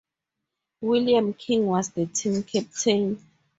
William King was the team captain.